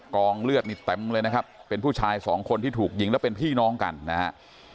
กองเลือดนี่เต็มเลยนะครับเป็นผู้ชายสองคนที่ถูกยิงแล้วเป็นพี่น้องกันนะฮะ